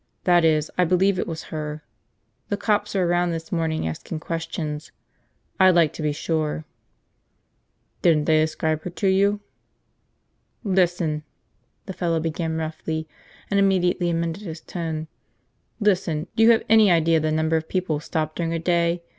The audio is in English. That is, I believe it was her. The cops were around this morning asking questions. I'd like to be sure." "Didn't they describe her to you?" "Listen!" the fellow began roughly, and immediately amended his tone. "Listen, do you have any idea the number of people stop during a day?